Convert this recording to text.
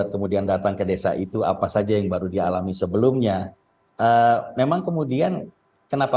kemudian datang ke desa itu apa saja yang baru dia alami sebelumnya memang kemudian kenapa